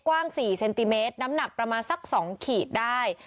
กว้าง๔เซนติเมตรน้ำหนักประมาณสัก๒ขีดได้